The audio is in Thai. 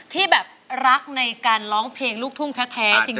ที่แบบรักในการร้องเพลงลูกทุ่งแท้จริง